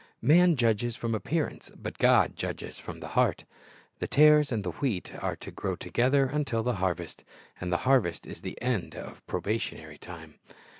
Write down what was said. Man judges from appearance, but God judges the heart. The tares and the wheat are to grow together until the harvest; and the harvest is the end of probationary time.